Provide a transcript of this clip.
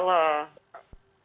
dari kpk itu sendiri bang mas hinton